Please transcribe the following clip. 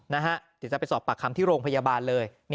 เดี๋ยวจะไปสอบปากคำที่โรงพยาบาลเลย